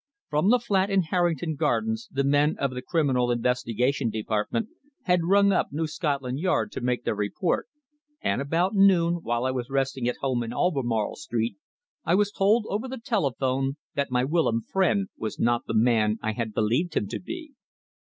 From the flat in Harrington Gardens the men of the Criminal Investigation Department had rung up New Scotland Yard to make their report, and about noon, while I was resting at home in Albemarle Street, I was told over the telephone that my whilom friend was not the man I had believed him to be.